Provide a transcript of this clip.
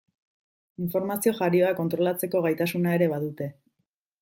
Informazio jarioa kontrolatzeko gaitasuna ere badute.